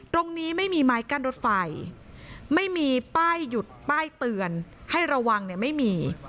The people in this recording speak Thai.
ตรงนี้ไม่มีไม้กั้นรถไฟไม่มีป้ายหยุดป้ายเตือนให้ระวังเนี่ยไม่มี